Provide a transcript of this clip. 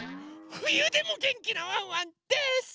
ふゆでもげんきなワンワンです！